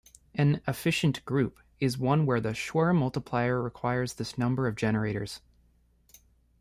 An "efficient group" is one where the Schur multiplier requires this number of generators.